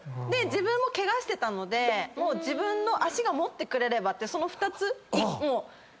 自分もケガしてたので自分の足が持ってくれればってその２つ。